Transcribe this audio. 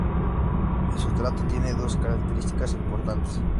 El sustrato tiene dos características importantes.